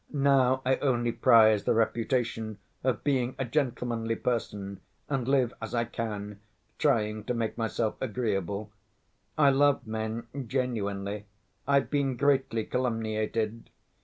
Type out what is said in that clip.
Now I only prize the reputation of being a gentlemanly person and live as I can, trying to make myself agreeable. I love men genuinely, I've been greatly calumniated!